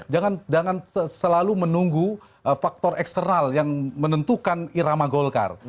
jangan selalu menunggu faktor eksternal yang menentukan irama golkar